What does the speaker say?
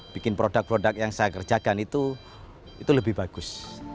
bikin produk produk yang saya kerjakan itu lebih bagus